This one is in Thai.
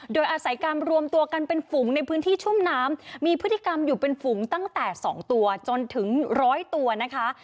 โดยอาศัยการรวมตัวกันเป็นฝูงในพื้นที่ชุ่มน้ำมีพฤติกรรมอยู่เป็นฝูงตั้งแต่๒ตัวจนถึงร้อยตัวนะคะ